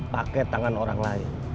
pakai tangan orang lain